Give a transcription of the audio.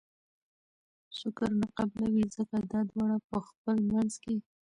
شکر نه قبلوي!! ځکه دا دواړه په خپل منځ کي